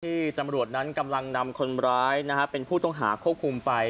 ตำรวจนั้นกำลังนำคนร้ายเป็นผู้ต้องหาควบคุมไป